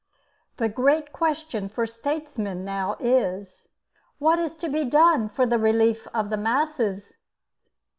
The great question for statesmen now is, "What is to be done for the relief of the masses?"